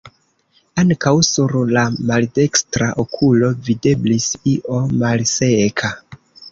Ankaŭ sur la maldekstra okulo videblis io malseka.